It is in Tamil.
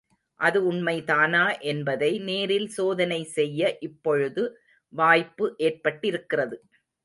அது உண்மைதானா என்பதை நேரில் சோதனை செய்ய இப்பொழுது வாய்ப்பு ஏற்பட்டிருக்கிறது.